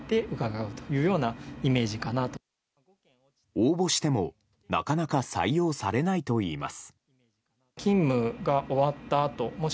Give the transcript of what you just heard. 応募しても、なかなか採用されないといいます。